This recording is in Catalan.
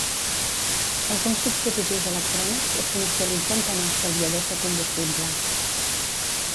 Alguns dispositius electrònics es comercialitzen com a estalviadors de combustible.